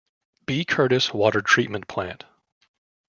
B. Curtis Water Treatment Plant.